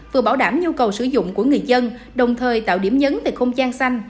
vừa bảo đảm nhu cầu sử dụng của người dân đồng thời tạo điểm nhấn về không gian xanh